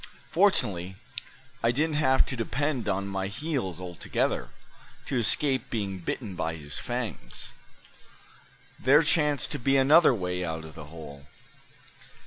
Fortunately I didn't have to depend on my heels altogether, to escape being bitten by his fangs. There chanced to be another way out of the hole."